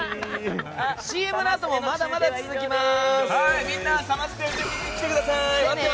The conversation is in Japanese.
ＣＭのあともまだまだ続きます。